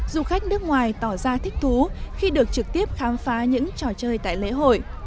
du khách nước ngoài tỏ ra thích thú khi được trực tiếp khám phá những trò chơi tại lễ hội